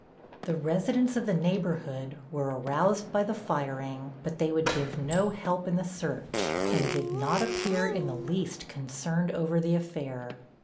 The residents of the neighborhood were aroused by the firing, but they would give no help in the search and did not appear in the least concerned over the affair.